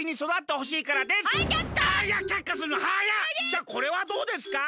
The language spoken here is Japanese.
じゃあこれはどうですか？